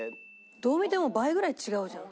どう見ても倍ぐらい違うじゃん。